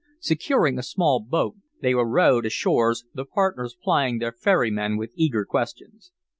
Securing a small boat, they were rowed ashores the partners plying their ferryman with eager questions.